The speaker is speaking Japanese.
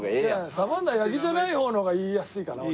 サバンナ八木じゃない方の方が言いやすいかな俺。